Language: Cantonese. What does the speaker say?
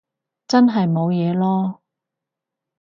真係冇嘢囉